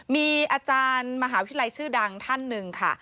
มีอาจารย์มหาวิทยาลัยชื่อดังท่านหนึ่งค่ะ